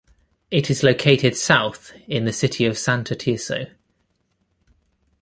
It is located south in the city of Santo Tirso.